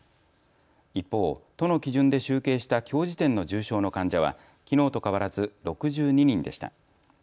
一方、都の基準で集計したきょう時点の重症の患者はきのうと変わらず６２人でした。